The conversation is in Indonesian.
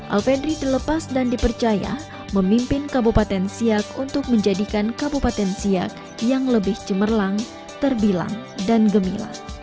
alfedri dilepas dan dipercaya memimpin kabupaten siak untuk menjadikan kabupaten siak yang lebih cemerlang terbilang dan gemila